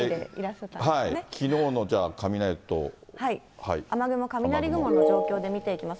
きのうのじゃあ、雨雲、雷雲の状況で見ていきます。